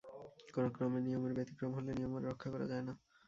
কোনোক্রমে নিয়মের ব্যতিক্রম হলে নিয়ম আর রক্ষা করা যায় না।